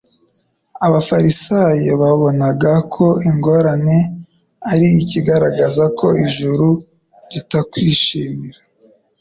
Abafarisayo babonaga ko ingorane ari ikigaragaza ko ijuru ritakwishimira,